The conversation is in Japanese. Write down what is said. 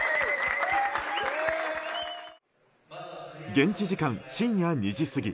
現地時間、深夜２時過ぎ。